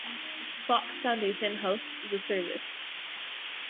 Fox Foundation hosts the service.